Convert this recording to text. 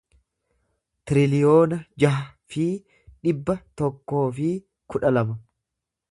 tiriliyoona jaha fi dhibba tokkoo fi kudha lama